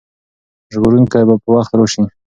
ژغورونکی به په وخت راشي.